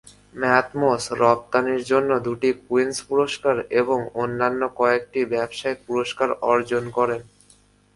Mathmos রপ্তানির জন্য দুটি কুইন্স পুরস্কার এবং অন্যান্য কয়েকটি ব্যবসায়িক পুরস্কার অর্জন করেন।